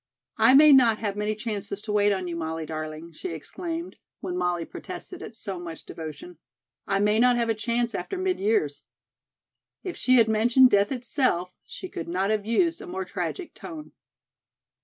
"I may not have many chances to wait on you, Molly, darling," she exclaimed, when Molly protested at so much devotion. "I may not have a chance after mid years." If she had mentioned death itself, she could not have used a more tragic tone.